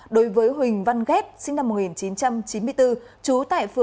đối với huỳnh văn ghét sinh năm một nghìn chín trăm chín mươi bốn trú tại phường đông hải thành phố